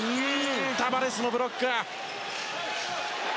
タバレスのブロック。